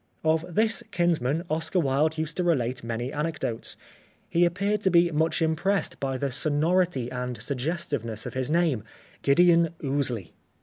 Of this kinsman Oscar Wilde used to relate many anecdotes. He ap peared to be much impressed by the sonority and suggestiveness of his name : Gideon Ouseley.